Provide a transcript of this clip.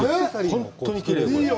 本当にきれいよ。